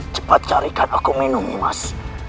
cepat carikan aku minum emas